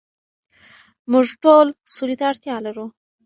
موږ ټول سولې ته اړتیا لرو.